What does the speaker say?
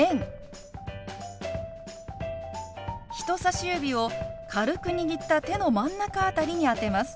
人さし指を軽く握った手の真ん中辺りに当てます。